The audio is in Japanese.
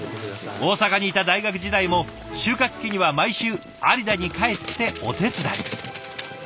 大阪にいた大学時代も収穫期には毎週有田に帰ってお手伝い。